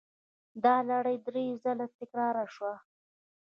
دا لړۍ درې ځله تکرار شوه.